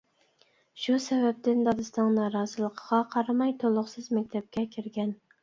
شۇ سەۋەبتىن دادىسىنىڭ نارازىلىقىغا قارىماي تولۇقسىز مەكتەپكە كىرگەن.